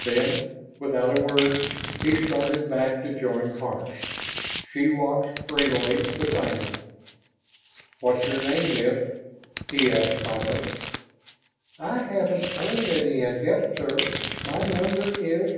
Then, without a word, he started back to join Karns. She walked springily beside him. "What's your name, Miss?" he asked, finally. "I haven't earned any as yet, sir. My number is